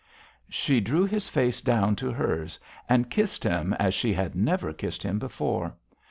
She drew his face down to hers and kissed him as she had never kissed him before.